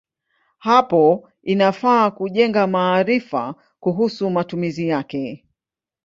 Hapo inafaa kujenga maarifa kuhusu matumizi yake.